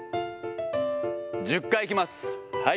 １０回いきます。